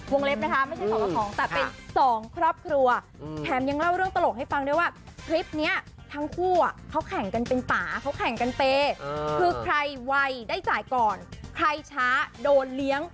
เล็บนะคะไม่ใช่สองกับของแต่เป็นสองครอบครัวแถมยังเล่าเรื่องตลกให้ฟังด้วยว่าคลิปนี้ทั้งคู่เขาแข่งกันเป็นป่าเขาแข่งกันเปย์คือใครวัยได้จ่ายก่อนใครช้าโดนเลี้ยง